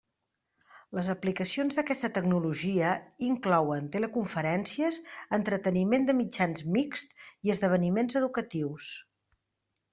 Les aplicacions d'aquesta tecnologia inclouen teleconferències, entreteniment de mitjans mixts i esdeveniments educatius.